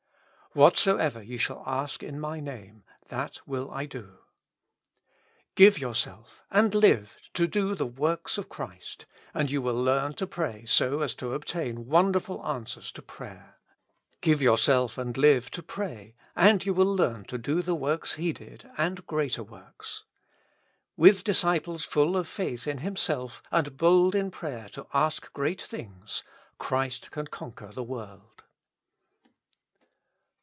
Whatsoever ^^ shall ask in my Name that will I do. Give yourself, and live, to do the works of Christ, and you will learn to pray so as to obtain wonderful answers to prayer. Give yourself and live, to pray, and you will learn to do the works He did, and greater works, < With disciples full of faith in Him self, and bold in prayer to ask great things, Christ can conquer the world.